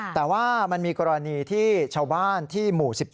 แต่ว่ามันมีกรณีที่ชาวบ้านที่หมู่๑๒